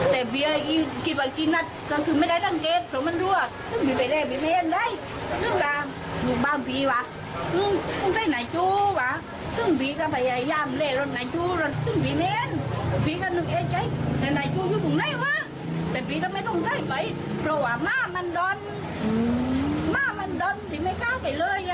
แต่พี่จะไม่ต้องได้ไหมเพราะว่าม่ามันดนม่ามันดนถึงไม่กล้าไปเลย